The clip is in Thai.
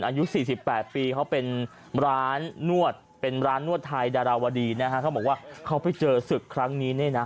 อายุ๔๘ปีเขาเป็นร้านนวดเป็นร้านนวดไทยดาราวดีนะฮะเขาบอกว่าเขาไปเจอศึกครั้งนี้เนี่ยนะ